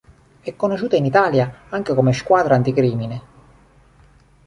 È conosciuta in Italia anche come Squadra anticrimine.